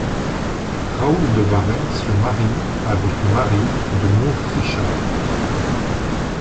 Raoul de Warren se marie avec Marie de Montrichard.